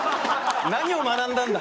何を学んだんだ？